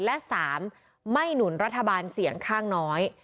และ๓ไม่หนุนรัฐบาลเสียงข้างน้อย